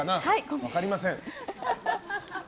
分かりません。